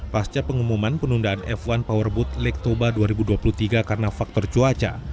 pasca pengumuman penundaan f satu powerboat lake toba dua ribu dua puluh tiga karena faktor cuaca